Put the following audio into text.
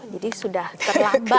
jadi sudah terlambat